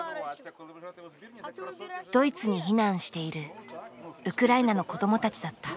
ドイツに避難しているウクライナの子どもたちだった。